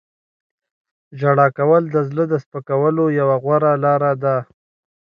• ژړا کول د زړه د سپکولو یوه غوره لاره ده.